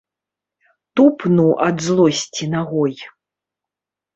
Тупнуў ад злосці нагой.